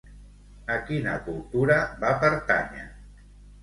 A quina cultura va pertànyer?